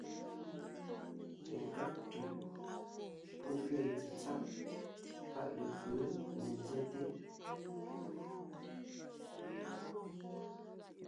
Lekág ntʉ̀ pɔ́ gẅeen tsetsáʼ paʼ lepʉ̌ ne nzɛ́te,